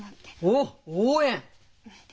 おっ応援？